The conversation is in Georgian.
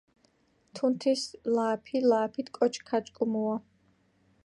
თუნთის ლაჸაფი-ლაჸაფით კოჩქ ქაჭკუმუუა